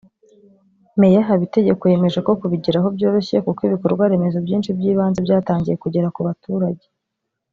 Meya Habitegeko yemeje ko kubigeraho byoroshye kuko ibikorwa remezo byinshi by’ibanze byatangiye kugera ku baturage